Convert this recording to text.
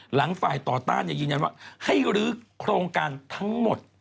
หลังฝ่ายต่อต้านยืนยันว่าให้รื้อโครงการทั้งหมด